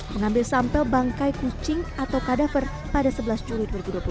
mengambil sampel bangkai kucing atau kadaver pada sebelas juli dua ribu dua puluh